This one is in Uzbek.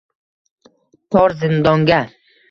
Tor zindonga